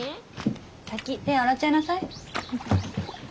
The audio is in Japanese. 先手を洗っちゃいなさい。